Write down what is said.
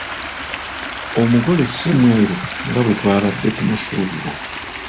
Omugole si mweru nga bwe twabadde tumusuubira.